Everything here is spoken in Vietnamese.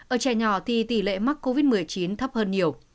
ở trẻ nhỏ thì tỷ lệ mắc covid một mươi chín thấp hơn nhiều